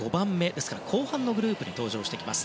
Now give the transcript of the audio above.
ですから後半グループに登場してきます。